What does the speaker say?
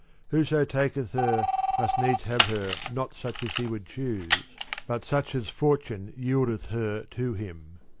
Whoso taketh her must needs have her not such as he would choose, but such as fortune yieldeth her to him.